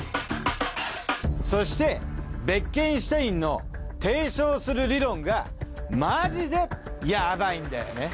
そしてベッケンシュタインの提唱する理論がマジでヤバいんだよね。